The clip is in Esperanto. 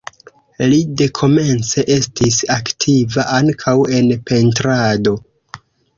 Li dekomence estis aktiva ankaŭ en pentrado.